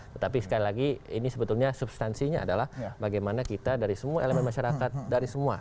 tetapi sekali lagi ini sebetulnya substansinya adalah bagaimana kita dari semua elemen masyarakat dari semua